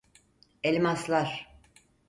Elmaslar.